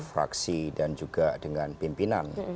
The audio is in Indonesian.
fraksi dan juga dengan pimpinan